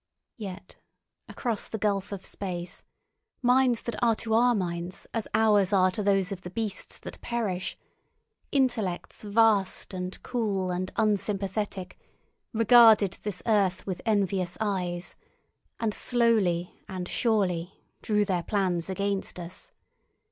Yet across the gulf of space, minds that are to our minds as ours are to those of the beasts that perish, intellects vast and cool and unsympathetic, regarded this earth with envious eyes, and slowly and surely drew their plans against us.